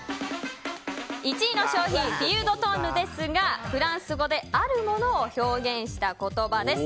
１位の商品フイユ・ドトンヌですがフランス語であるものを表現した言葉です。